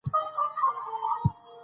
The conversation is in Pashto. د ستر هدف لپاره قرباني پکار ده.